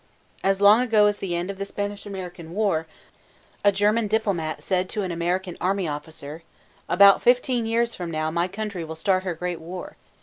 As long ago as the end of the Spanish American War, a German diplomat said to an American army officer: "About fifteen years from now my country will start her great war.